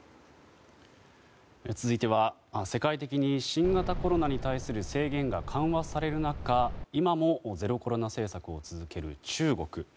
続いては世界的に新型コロナに対する制限が緩和される中、今もゼロコロナ政策を続ける中国。